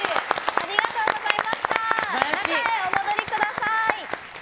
中へお戻りください。